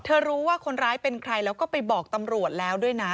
รู้ว่าคนร้ายเป็นใครแล้วก็ไปบอกตำรวจแล้วด้วยนะ